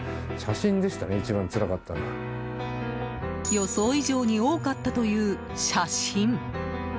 予想以上に多かったという写真。